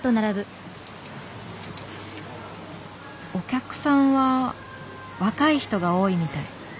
お客さんは若い人が多いみたい。